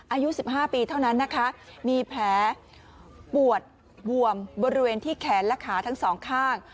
อายุ๑๕ปีเท่านั้นนะคะมีแผลปวดบวมบริเวณที่แขนและขาทั้งสองข้าง